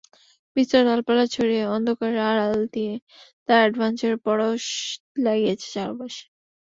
বিস্তর ডালপালা ছড়িয়ে অন্ধকারের আড়াল দিয়ে তারা অ্যাডভেঞ্চারের পরশ লাগিয়েছে চারপাশে।